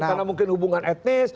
karena mungkin hubungan etnis